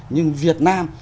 nhưng việt nam